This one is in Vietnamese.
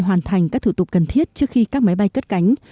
hoàn thành các thủ tục cần thiết trước khi các máy bay cất cánh